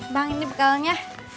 bang ini bekalnya